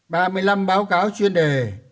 ba mươi năm báo cáo chuyên đề